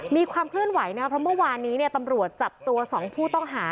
มีความเคลื่อนไหวนะครับเพราะเมื่อวานนี้ตำรวจจับตัว๒ผู้ต้องหา